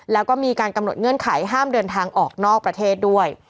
แล้วก็มีการกำหนดเงื่อนไขห้ามเดินทางออกนอกประเทศด้วย